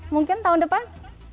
mungkin tahun depan